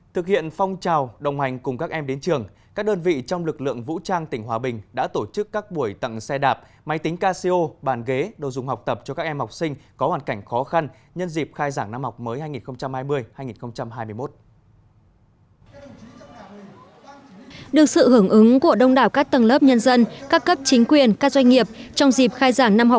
thực hiện phong trào đồng hành cùng các em đến trường các đơn vị trong lực lượng vũ trang tỉnh hòa bình đã tổ chức các buổi tặng xe đạp máy tính casio bàn ghế đồ dùng học tập cho các em học sinh có hoàn cảnh khó khăn nhân dịp khai giảng năm học mới hai nghìn hai mươi hai nghìn hai mươi một